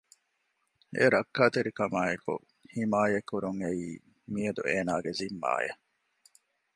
އެ ރައްކަތެރިކަމާއެކު ހިމާޔަތް ކުރުން އެއީ މިއަދު އޭނާގެ ޒިންމާއެއް